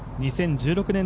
２０１６年